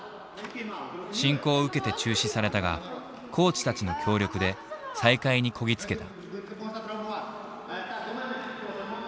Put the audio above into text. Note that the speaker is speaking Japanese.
侵攻を受けて中止されたがコーチたちの協力で再開にこぎ着けた。